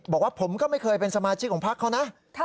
บอกว่าผมก็ไม่เคยเป็นสมาชิกของพักเขานะ